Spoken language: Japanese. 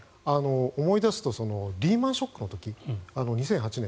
思い出すとリーマン・ショックの時２００８年